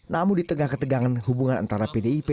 namun di tengah ketegangan hubungan antara pdip